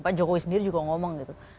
pak jokowi sendiri juga ngomong gitu